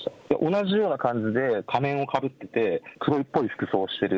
同じような感じで仮面をかぶってて、黒っぽい服装してる。